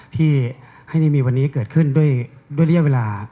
ที่ให้นี่มีวันนี้เกิดขึ้นด้วยระยะเวลา